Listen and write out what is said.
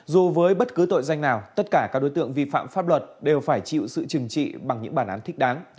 dù với bất cứ tội danh nào tất cả các đối tượng vi phạm pháp luật đều phải chịu sự trừng trị bằng những bản án thích đáng